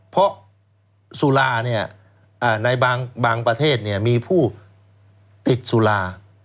เพราะสุราเนี่ยในบางประเทศเนี่ยมีผู้ติดสุรา